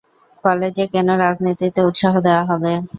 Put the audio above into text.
কলেজে কেন রাজনীতিতে উৎসাহ দেওয়া হবে?